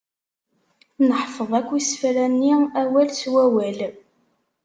Neḥfeḍ akk isefra-nni awal s wawal.